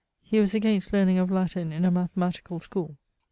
He was against learning of Latin in a mathematicall school.